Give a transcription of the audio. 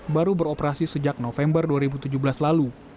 baru beroperasi sejak november dua ribu tujuh belas lalu